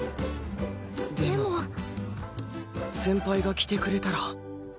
でも先輩が着てくれたら